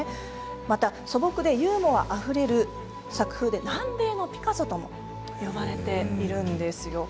また素朴でユーモアあふれる作風で、南米のピカソともいわれています。